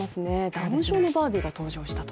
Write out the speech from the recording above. ダウン症のバービーが登場したと。